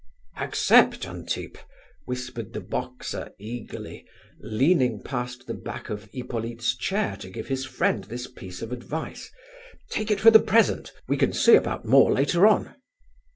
"Accept, Antip," whispered the boxer eagerly, leaning past the back of Hippolyte's chair to give his friend this piece of advice. "Take it for the present; we can see about more later on."